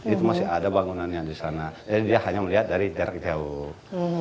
itu masih ada bangunannya di sana jadi dia hanya melihat dari jarak jauh